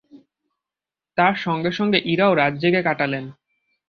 তাঁর সঙ্গে-সঙ্গে ইরাও রাত জেগেই কটালেন।